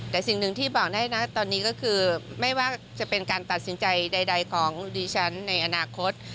แต่สิ่งหนึ่งที่บอกได้นะตอนนี้ก็คือไม่ว่าจะเป็นการตัดสินใจใดของดิฉันในอนาคต